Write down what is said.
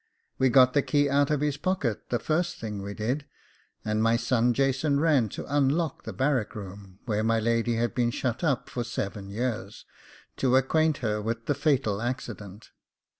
We got the key out of his pocket the first thing we did, and my son Jason ran to unlock the barrack room, where my lady had been shut up for seven years, to acquaint her with the fatal accident.